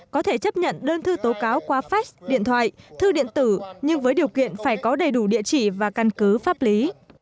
có thể chấp nhận đơn thư tố cáo qua fax điện thoại thư điện tử nhưng với điều kiện phải có đầy đủ địa chỉ và căn cứ pháp lý